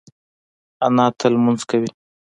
انا تل لمونځ کوي